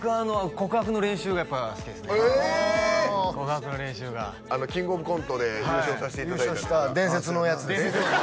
告白の練習があの「キングオブコント」で優勝させていただいたネタ優勝した伝説のやつですね